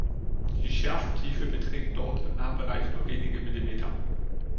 Die Schärfentiefe beträgt dort im Nahbereich nur wenige Millimeter.